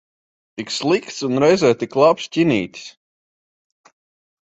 Tik slikts un reizē tik labs ķinītis.